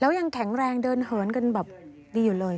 แล้วยังแข็งแรงเดินเหินกันแบบดีอยู่เลย